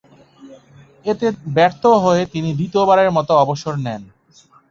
এতে ব্যর্থ হয়ে তিনি দ্বিতীয়বারের মতো অবসর নেন।